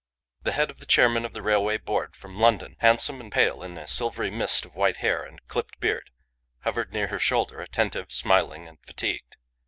The head of the chairman of the railway board (from London), handsome and pale in a silvery mist of white hair and clipped beard, hovered near her shoulder attentive, smiling, and fatigued.